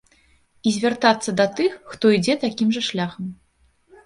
І звяртацца да тых, хто ідзе такім жа шляхам.